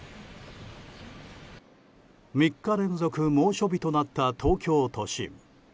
３日連続猛暑日となった東京都心。